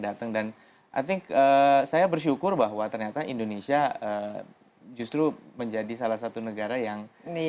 datang dan i think saya bersyukur bahwa ternyata indonesia justru menjadi salah satu negara yang